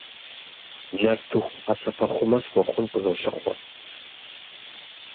Нартыху хьэсэпэхъумэ схуэхъун къызолъыхъуэ.